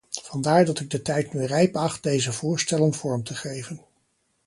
Vandaar dat ik de tijd nu rijp acht deze voorstellen vorm te geven.